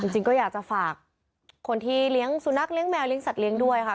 จริงก็อยากจะฝากคนที่เลี้ยงสุนัขเลี้ยแมวเลี้ยสัตเลี้ยงด้วยค่ะ